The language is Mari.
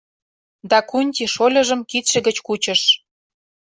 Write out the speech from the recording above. Дакунти шольыжым кидше гыч кучыш.